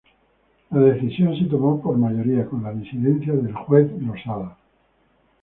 La decisión se tomó por mayoría, con la disidencia del juez Losada.